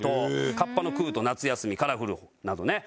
『河童のクゥと夏休み』『カラフル』などね